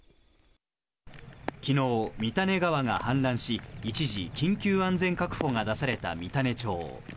昨日、三種川が氾濫し、一時、緊急安全確保が出された三種町。